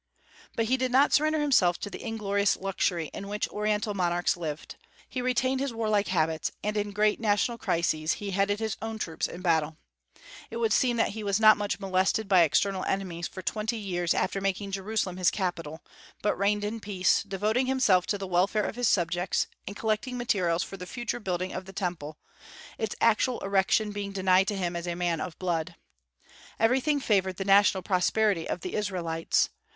But he did not surrender himself to the inglorious luxury in which Oriental monarchs lived. He retained his warlike habits, and in great national crises he headed his own troops in battle. It would seem that he was not much molested by external enemies for twenty years after making Jerusalem his capital, but reigned in peace, devoting himself to the welfare of his subjects, and collecting materials for the future building of the Temple, its actual erection being denied to him as a man of blood. Everything favored the national prosperity of the Israelites.